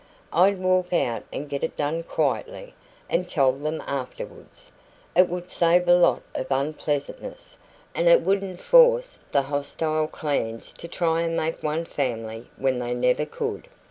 I'd walk out and get it done quietly, and tell them afterwards. It would save a lot of unpleasantness, and it wouldn't force the hostile clans to try and make one family when they never could."